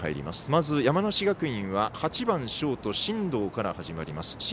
まず山梨学院は８番ショート、進藤から始まります。